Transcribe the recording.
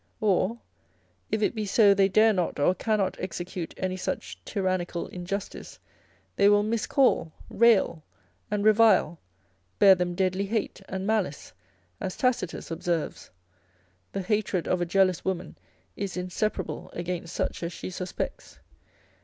Or if it be so they dare not or cannot execute any such tyrannical injustice, they will miscall, rail and revile, bear them deadly hate and malice, as Tacitus observes, The hatred of a jealous woman is inseparable against such as she suspects.